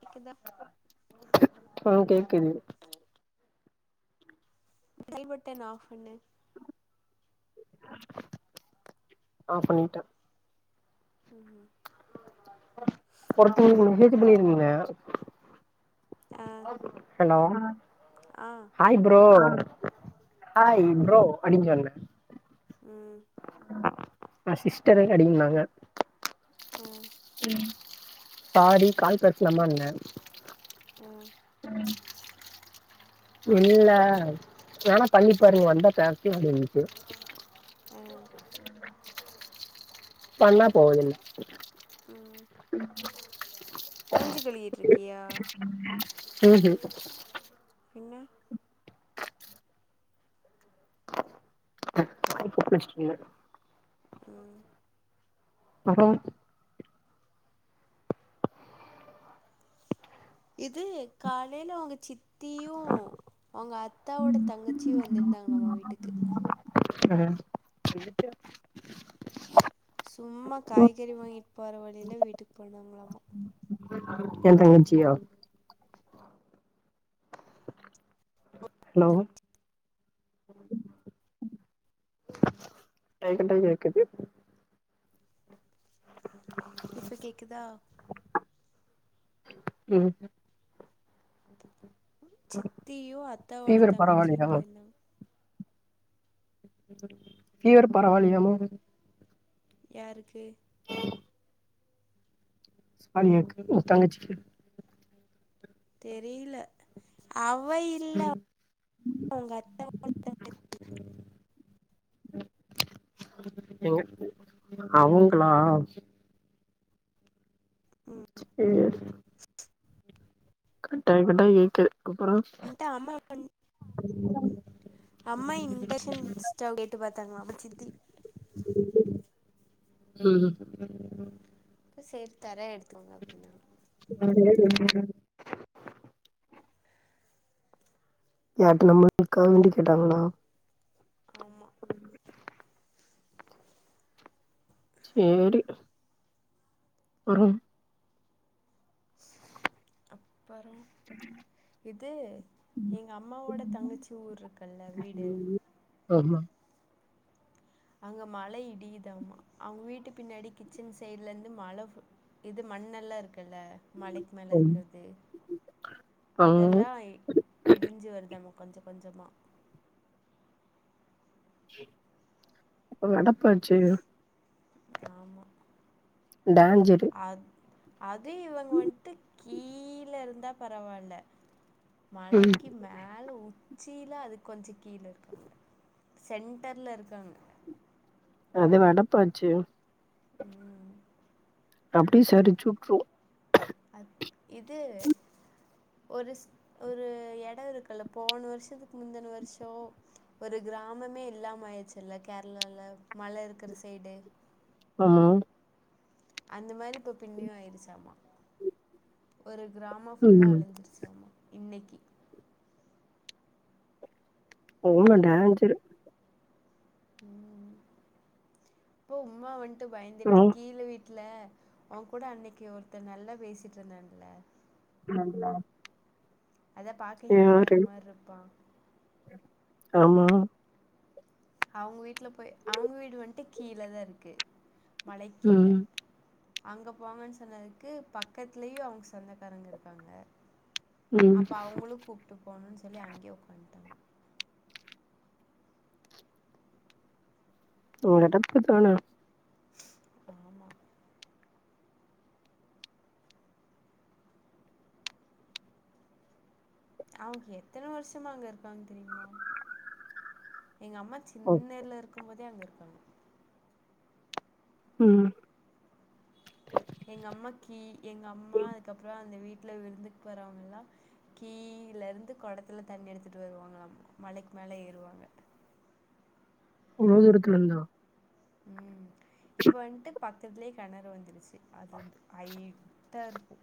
கேக்குதா ஆ கேக்குது சைட் பட்டன் ஆஃப் பண்ணு ஆஃப் பண்ணிட்ட ம் [unintelligible] ஆ ஹலோ அ ஹாய் ப்ரோ ஹாய் ப்ரோ அப்டீன்னு சொன்னே அ ஆ சிஸ்டருக்கு அடிங்கனாங்க அ சாரி கால் பேசலாமான ஆ இல்ல வேனா பண்ணி பாரு வந்தா பேசலா அப்டினுச்சு அ பண்ணா போதுனு ம் மூஞ்சி கழிவிட்டு இருக்கியா ம் ஹு பின்ன [unintelligible] ம் அப்றோ இது காலைல அவுங்க சித் தியு அவுங்க அத்தாவோட தங்கச்சியு வந்திருந்தாங்க நம்ம வீட்டுக்கு அ [unintelligible] சும்மா காய்கறி வாங்கிட்டு போற வழியில வீட்டுக்கு போனாங்களாமா எ தங்கச்சியா லவ்வு கட்டாய் கட்டாய் கேக்குது இப்ப கேக்குதா உம் சித்தியு அத்தாவோட ஃபீவர் தங்கச்சியு பரவாயில்லையா போயிருந்தாங்க ஃபீவர் பரவாயில்லையாமா யாருக்கு ஆலியாக்கு உங்க தங்கச்சிக்கு தெரியுல அவ இல்ல உங்க அத்த [unintelligible] எங்க அவுங்களா ம் சேரி கட்டாய் கட்டாய் கேக்குது அப்புறோ என்ட்ட அம்மா இன் அம்மா இண்டஷன்ஸ் அச்சாவ கேட்டு பாத்தாங்களாம சித்தி ம் அப்ப சேர் தர எடுத்தக்கோங்க அப்டின்னா [unintelligible] யார்ட்ட நம்ம இருக்கா வேண்டி கேட்டாங்களா ஆமா சேரி வரும் அப்பறோ இது எங்க அம்மாவோட தங்கச்சி ஊர்ருக்குல்ல வீடு ஆமா அங்க மழ இடியுதாமா அவுங்க வீட்டு பின்னாடி கிச்சன் சைடுலெந்து மழ இது மண்ணெல்லா இருக்குல்ல மலைக்கு மேல ம் இருக்கிற்து அங்க அதெல்லா இடிஞ்சு வருதாமா கொஞ்ச கொஞ்சமா அப்பவ அடப்பாச்சு ஆமா டேஞ்சரு அத் அது இவுங்க வந்ட்டு கீழ இருந்தா பரவால்ல ம் மலைக்கு மே மேல உச்சியிலா அதுக்கொஞ்ச கீழ இருக்காங்க சென்டர்ல இருக்காங்க அதுவா அடப்பாச்சு ம் அப்டே சரிச்சு உட்ரு அ இது ஒரு ஒரு எட இருக்குல்ல போனு வருஷத்துக்கு முந்தின வருஷோ ஒரு கிராமமே இல்லாம ஆயிர்ச்சுல்ல கேரளால மல இருக்கிற சைடு ஆமா அந்த மாரி இப்போ பின்னியு ஆயிருச்சாம்மா ஒரு கிராமோ ஃபுல்லா ம் அழிஞ்சிருச்சாம்மா இன்னைக்கி ஓவர் டேஞ்சரு ம் இப்போ உம்மா வந்ட்டு பயந்துட்டு ம் கீழ வீ ட்ல உங்கூட அன்னைக்கி ஒருத்தங் நல்லா பேசிட்ருந்தாங்கல ஆமா அத பாக்க ஹிந்திக்கார மாருப்பா ஆமா அவுங்க வீட்ல போய் அவுங்க வீடு வந்ட்டு கீழதா இருக்கு மலைக்கீழ ம் அங்க போங்கன் சொன்னதுக்கு பக்கத்துலயு அவுங் சொந்தக்காரங்க இருக்காங்க ம் அப்போ அவுங்களு கூப்ட்டு போணுன் சொல்லி அங்யே உக்காந்ட்டாங்க ஒ எடப்புத்தான ஆமா அவ்ங் எத்தன வருஷமா அங்க இருக்காங் தெரியுமா எங்க அம்மா சின்னதுல இருக்கும் போதே அங்க இருக்காங்க ம் எங்க அம்மா கீ எங்க அம்மா அதுக்கப்றோ அந்த வீட்ல விருந்துக் வறவங்கலா கீழ இருந்து கொடத்துல தண்ணி எடுத்துட்டு வருவாங்களாமா மலைக் மேல ஏறுவாங்க உழுர எடத்துல இருந்தா ம் இப்போ வந்ட்டு பக்கத்துலே கெணறு வந்துருச்சு அத ஐ த இருப்பு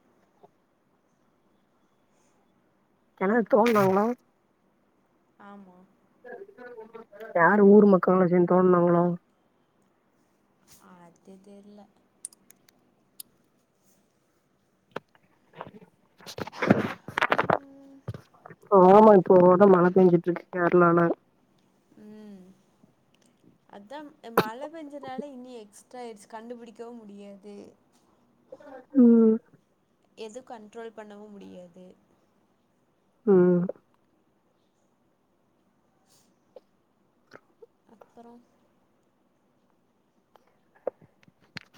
கெணறு தோண்டுனாங்களா ஆமா யாரு ஊர் மக்கள்லா சேந்து தோண்டுனாங்களா அது தெரில ஆமா இப்போ ரொம்ப மழ பேஞ்சிட்டு இருக்கு கேரளால ம் அதா ஆ மழ பேஞ்சதுனால இன்னு எக்ஸ்ட்ரா ஆயிருச்சு கண்டுபிடிக்கவு முடியாது ம் எதுவு கண்ட்ரோல் பண்ணவு முடியாது ம் அப்புறம்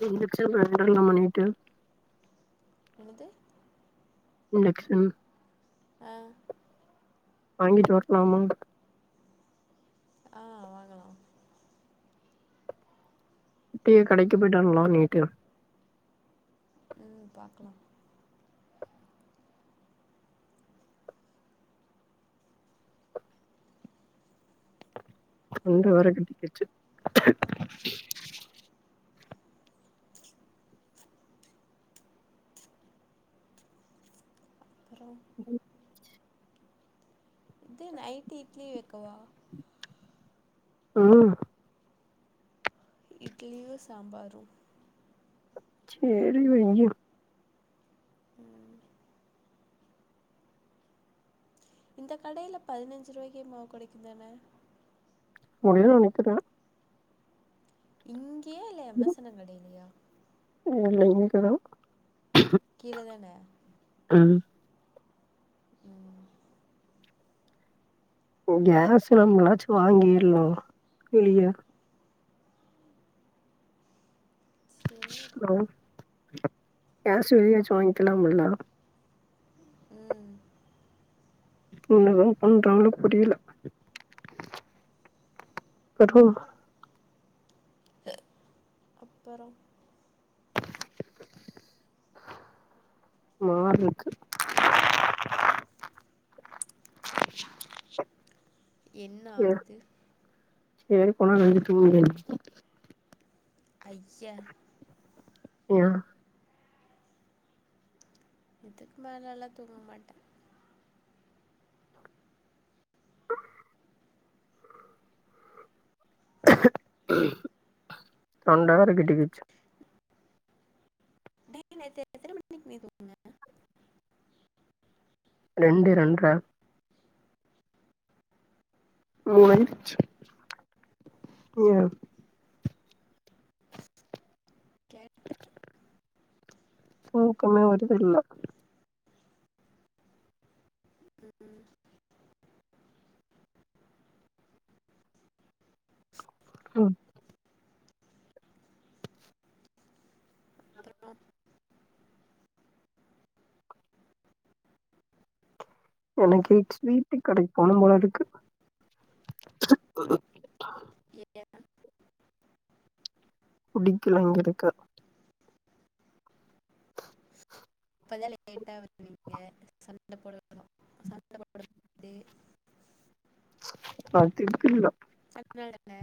இன்ஜெக்ஷன் வேண்டலா மண்ணிட்டு என்னது இன்ஜெக்ஷன் ஆ வாங்கிட்டு வர்லாமா ஆ வாங்கலா குட்டி கடைக்கு போயிட்டு வர்லா நேட்டு ம் பாக்கலா தொண்ட வேற கட்டுக்கிச்சு அப்புறம் ம் இது நைட்டு இட்லி வக்கவா ம் இட்லியு சாம்பாரு சேரி வையு ம் இந்தக் கடையில பதினஞ்சு ரூவாய்க்கே மாவு கெடைக்கும் தான முடிவு எனக்குத்தா இங்கியா இல்ல எமசனம் கடையிலையா இல்ல இங்க தா கீழ தான ம் ம் கேஸ்லா நம்மளாச்சு வாங்கிர்னு இல்லியா சரி ஹலோ கேஸ் வெளிய ஆச்சி வாங்கிக்கலாமுல்ல ம் என்ன லவ் பண்றிங்களோ புரியல பர் ஹோம் அப்பற மாரி இருக்கு என்ன ஆகுது எவிர போனா [unintelligible] ஐய்ய [inaudible] இதுக்கு மேலேல்லா தூங்க மாட்டே ஆ தொண்டவேரே கட்டிகிச்சு டேய் நேத்து எத்தன மணிக்கு நீ தூங்குன ரெண்டு ரெண்டரே மூணு ஆயிருச்சு [inaudible] தூக்கமே வருதில்லே கேட்டேன் ம் அப்புறம் எனக்கு ஸ்வீட் கடைக்கு போனு போல இருக்கு ஏன் புடிக்கல இங்க இருக்க இப்ப தா லேட்டா வந்திங்க சண்ட போடு போது பதிப்பு இல்ல [unintelligible]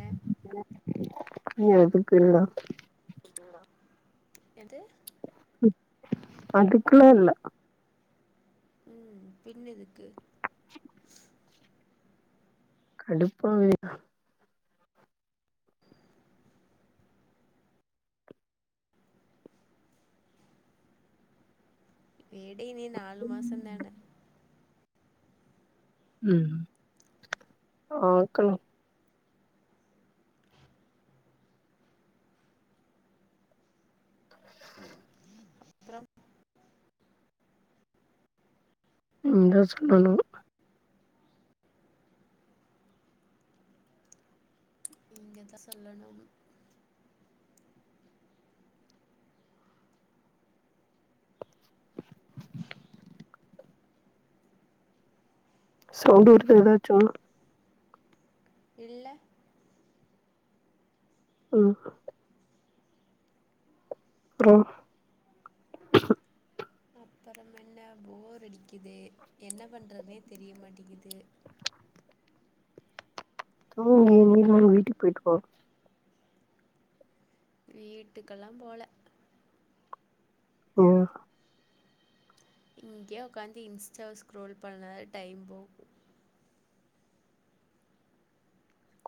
எதுக்கு இல்ல போய்டிங்களா எது அதுக்குலா ‌‌ இல்ல பின்னு எதுக்கு கடுப்பாவீங்க விடு இனி நாலு மாசோ தானே ம் பாக்கலா அப்புறம் நீ தா சொல்லணு நீங்க தா சொல்லணு சவுண்ட் வருதா எதாச்சு இல்ல ம் அப்றோ அப்றோ என்ன போர் அடிக்குது என்ன பண்ணுறதுனே தெரிய மாட்டேங்கிது அம்மு நீ வேணுனா உங்க வீட்டுக்கு போயிட்டு வா வீட்டுக்கெல்லா போலே [inaudible] இங்கே உக்காந்து இன்ஸ்டாவ ஸ்கூரோல் பண்ணதா டைம் போகு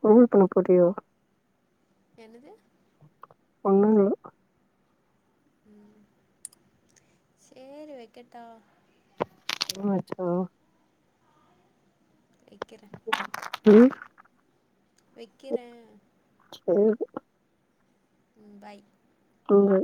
ஸ்கூரோல் பண்ண போறியோ என்னது ஒன்னு இல்ல ம் சேரி வைக்கட்டா ஆமா வெச்சிக்கனு வெக்கிரே ம் வெக்கிறே செரி விடு ம் பாய் ம்